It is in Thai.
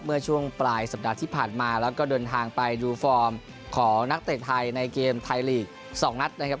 เมื่อช่วงปลายสัปดาห์ที่ผ่านมาแล้วก็เดินทางไปดูฟอร์มของนักเตะไทยในเกมไทยลีก๒นัดนะครับ